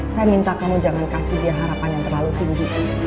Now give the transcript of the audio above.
saya minta kamu jangan kasih dia harapan yang terlalu tinggi